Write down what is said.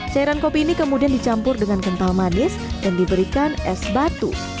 cairan kopi ini kemudian dicampur dengan kental manis dan diberikan es batu